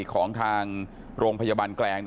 ของทางโรงพยาบาลแกลง